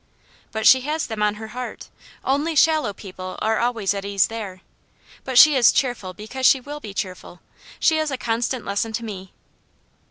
" But she has them on her heart. Only shallow people are always at ease there. But she is cheerful because she will be cheerful. She is a constant lesson to me."